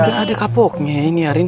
emang gak ada kapoknya ini ya rin